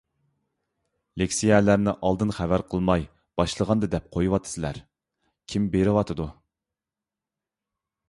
لېكسىيەلەرنى ئالدىن خەۋەر قىلماي باشلىغاندا دەپ قويۇۋاتىسىلەر. كىم بېرىۋاتىدۇ؟